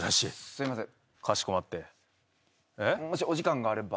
すいません。